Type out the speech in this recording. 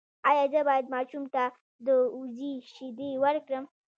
ایا زه باید ماشوم ته د وزې شیدې ورکړم؟